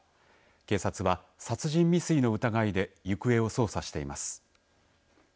警察は殺人未遂の疑いで行方を捜査しています。